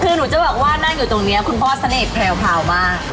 คือหนูจะบอกว่านั่งอยู่ตรงนี้คุณพ่อเสน่ห์แพรวมาก